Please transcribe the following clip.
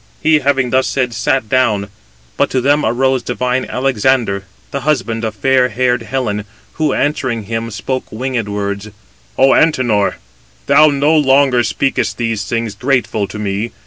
He, having thus said, sat down; but to them arose divine Alexander, the husband of fair haired Helen, who answering him spoke winged words: "O Antenor, thou no longer speakest these things grateful to me.